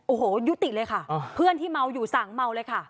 โอ้โหยุติเลยค่ะเพื่อนที่เมาอยู่สั่งเมาเลยค่ะ